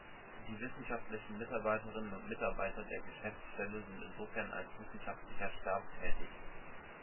Die wissenschaftlichen Mitarbeiterinnen und Mitarbeiter der Geschäftsstelle sind insofern als Wissenschaftlicher Stab tätig.